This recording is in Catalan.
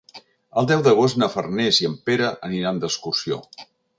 El deu d'agost na Farners i en Pere aniran d'excursió.